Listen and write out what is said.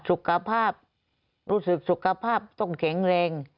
สุขภาพรู้สึกสุขภาพต้องแข็งแรง